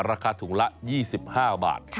ราคาถุงละ๒๕บาท